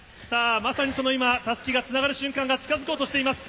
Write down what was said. たすきがつながる瞬間が近づこうとしています。